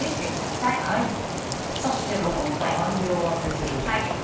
さぁそして残った半量は先生どうしましょう？